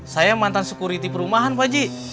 saya mantan security perumahan pagi